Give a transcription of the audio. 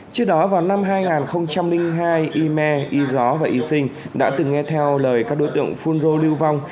trước đó vào năm hai nghìn hai yme yzo và yxin đã từng nghe theo lời các đối tượng phun rô lưu vong